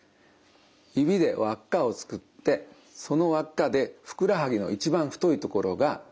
指で輪っかを作ってその輪っかでふくらはぎの一番太いところがつかめるか。